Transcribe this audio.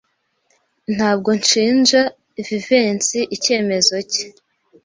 Ntabwo nshinja Jivency icyemezo cye.